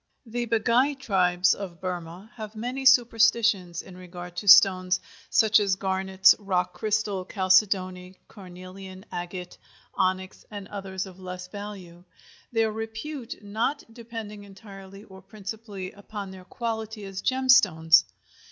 The Bghai tribes of Burma have many superstitions in regard to stones, such as garnets, rock crystal, chalcedony, carnelian, agate, onyx and others of less value, their repute not depending entirely or principally upon their quality as gem stones.